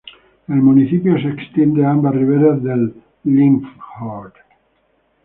El municipio se extiende a ambas riberas del Limfjord.